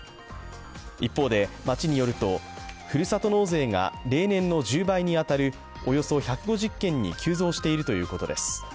一方で町によると、ふるさと納税が例年の１０倍に当たるおよそ１５０件に急増しているということです。